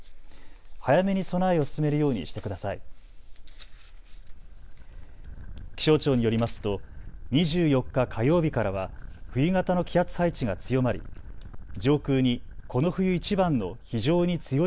早めに備えを進めるようにしてください。